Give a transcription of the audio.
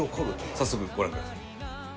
早速ご覧ください。